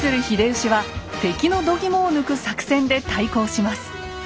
秀吉は敵のどぎもを抜く作戦で対抗します。